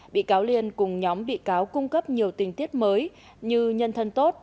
bị cáo liên cùng nhóm bị cáo cung cấp nhiều tình tiết mới như nhân thân tốt